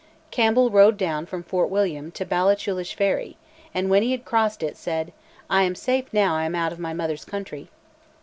Campbell rode down from Fort William to Ballachulish ferry, and when he had crossed it said, "I am safe now I am out of my mother's country."